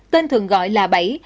tên thường gọi là bảy